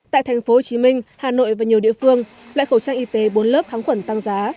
tại thành phố hồ chí minh hà nội và nhiều địa phương loại khẩu trang y tế bốn lớp kháng khuẩn tăng giá